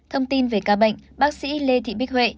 thông tin về ca bệnh bác sĩ lê thị bích huệ